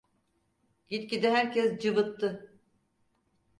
Gitgide herkes cıvıttı.